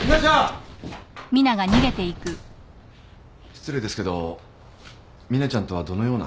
失礼ですけどミナちゃんとはどのような？